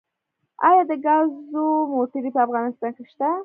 آیا د ګازو موټرې په افغانستان کې شته؟